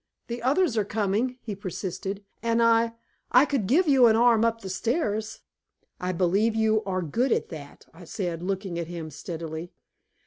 "The others are coming," he persisted, "and I I could give you an arm up the stairs." "I believe you are good at that," I said, looking at him steadily.